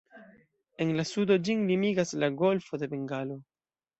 En la sudo ĝin limigas la golfo de Bengalo.